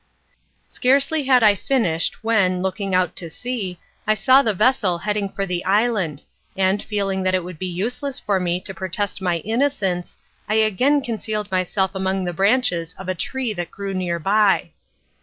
Scarcely had I finished when, looking out to sea, I saw the vessel heading for the island, and, feeling that it would be useless for me to protest my innocence, I again concealed myself among the branches of a tree that grew near by.